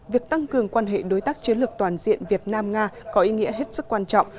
việc tăng cường quan hệ đối tác chiến lược toàn diện việt nam nga có ý nghĩa hết sức quan trọng